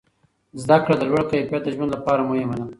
زده کړه د لوړ کیفیت د ژوند لپاره مهمه ده.